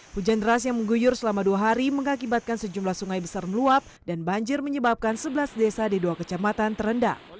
hujan deras yang mengguyur selama dua hari mengakibatkan sejumlah sungai besar meluap dan banjir menyebabkan sebelas desa di dua kecamatan terendah